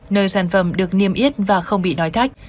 nơi sản phẩm được niêm yết và không bị nói thách